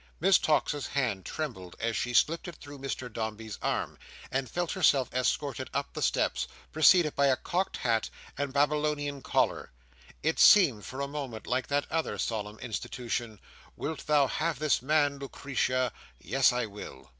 Miss Tox's hand trembled as she slipped it through Mr Dombey's arm, and felt herself escorted up the steps, preceded by a cocked hat and a Babylonian collar. It seemed for a moment like that other solemn institution, "Wilt thou have this man, Lucretia?" "Yes, I will."